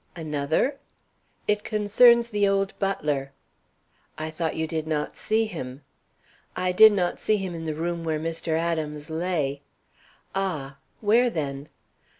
"Another?" "It concerns the old butler." "I thought you did not see him." "I did not see him in the room where Mr. Adams lay." "Ah! Where, then?"